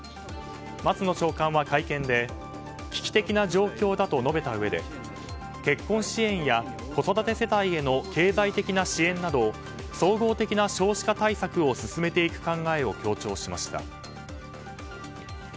松野長官は会見で危機的な状況だと述べたうえで結婚支援や子育て世帯への経済的な支援など総合的な少子化対策を進めていく考えを強調しました。